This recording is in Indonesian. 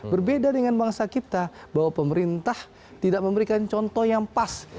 berbeda dengan bangsa kita bahwa pemerintah tidak memberikan contoh yang pas